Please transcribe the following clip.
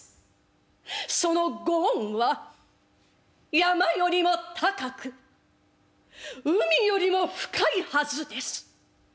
そのご恩は山よりも高く海よりも深いはずです。